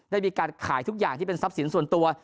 ได้มีการขายทุกอย่างที่เป็นทรัพย์สินส่วนตัว